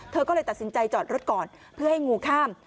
เธอก็เลยตัดสินใจจอดรถก่อนเพื่อให้งูข้าม